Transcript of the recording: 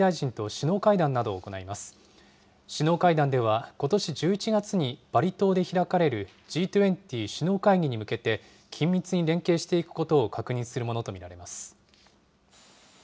首脳会談ではことし１１月にバリ島で開かれるＧ２０首脳会議に向けて、緊密に連携していくことを確認するものと見られます。